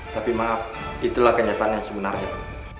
tapi maaf itulah kenyataan yang sebenarnya